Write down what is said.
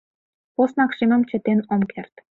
Поснак шемым чытен ом керт.